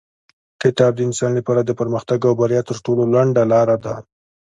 کتاب د انسان لپاره د پرمختګ او بریا تر ټولو لنډه لاره ده.